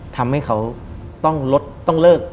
ทำให้เขาต้องลดต้องเลิก